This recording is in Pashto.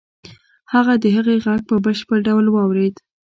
هغه د هغې غږ په بشپړ ډول واورېد.